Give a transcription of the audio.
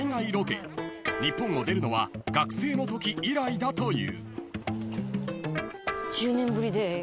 ［日本を出るのは学生のとき以来だという］